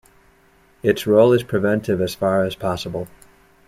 Its role is preventive as far as possible.